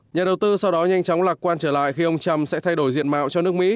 nhà đầu tư sau đó nhanh chóng lạc quan trở lại khi ông trump sẽ thay đổi diện mạo cho nước mỹ